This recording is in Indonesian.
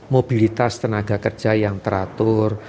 mobilitas tenaga kerja yang teratur